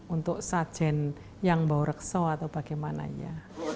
untuk sajen yang bau reksa atau bagaimana ya